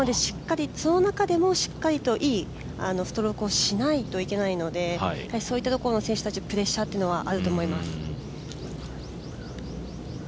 その中でもしっかりといいストロークをしないといけないのでそういったところ、選手たちのプレッシャーはあると思います。